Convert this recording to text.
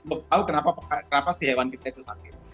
tahu kenapa si hewan kita itu sakit